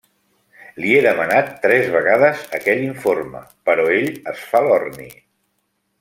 Li he demanat tres vegades aquell informe, però ell es fa l'orni.